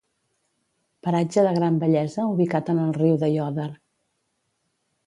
Paratge de gran bellesa ubicat en el riu d'Aiòder.